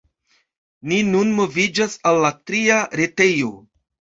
Ni nun moviĝas al la tria retejo.